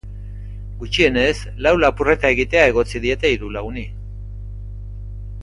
Gutxienez lau lapurreta egitea egotzi diete hiru laguni.